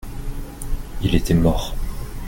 Il était mort.